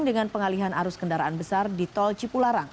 dan arus kendaraan besar di tol cipularang